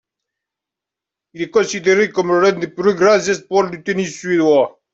Il est considéré comme l'un des plus grands espoirs du tennis suédois.